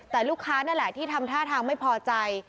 แต่ลูกค้านั่นแหละที่ทำท่าทางไม่พอใจ